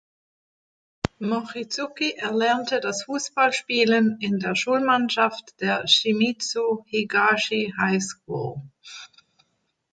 Mochizuki erlernte das Fußballspielen in der Schulmannschaft der "Shimizu Higashi High School".